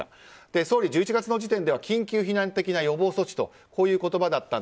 総理、１１月の時点では緊急避難的な予防措置という言葉でしたが